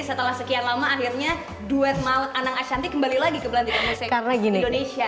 setelah sekian lama akhirnya duet maut anang ashanti kembali lagi ke pelantikan musik indonesia